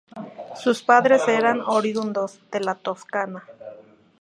Sus padres eran oriundos de la Toscana.